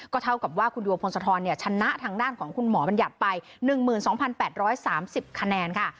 เท่ากับว่าคุณดวงพลธรชนะทางด้านของคุณหมอบัญญัติไป๑๒๘๓๐คะแนนค่ะ